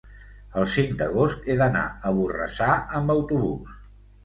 el cinc d'agost he d'anar a Borrassà amb autobús.